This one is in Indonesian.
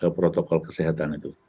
dengan protokol kesehatan itu